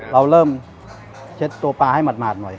เราเริ่มเช็ดตัวปลาให้หมาดหน่อย